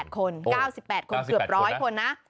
เกือบ๑๐๐คนนะ